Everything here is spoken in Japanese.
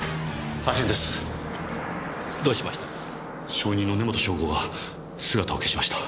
証人の根元尚吾が姿を消しました。